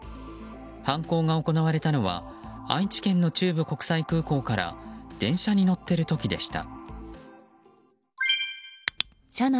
犯行が行われたのは愛知県の中部国際空港から電車に乗っている時でした。